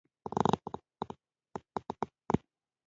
ځینې جوګیان قدرت لري چې چاته وګوري هغه مړ شي.